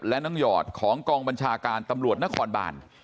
และน้องหยอดของกองบัญชาการตำรวจนครบาน